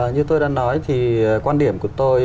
như tôi đã nói thì quan điểm của tôi